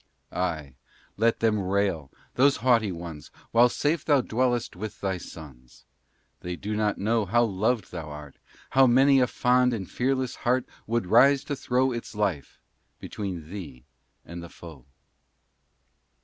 Ay, let them rail those haughty ones, While safe thou dwellest with thy sons. They do not know how loved thou art, How many a fond and fearless heart Would rise to throw Its life between thee and the foe.